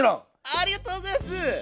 ありがとうございます！